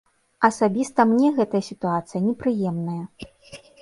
Асабіста мне гэтая сітуацыя непрыемная.